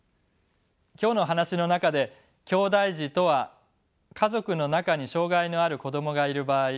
今日の話の中できょうだい児とは家族の中に障がいのある子どもがいる場合